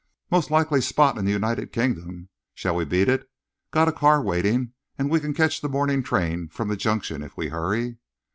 "Most likely spot in the United Kingdom! Shall we beat it? Got a car waiting, and we can catch the morning train from the junction if we hurry."